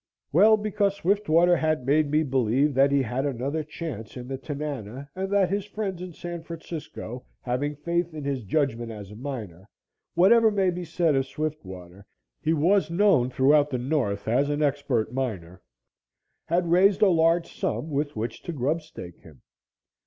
Well, because Swiftwater had made me believe that he had another chance in the Tanana and that his friends in San Francisco, having faith in his judgment as a miner whatever may be said of Swiftwater, he was known throughout the North as an expert miner had raised a large sum with which to grubstake him.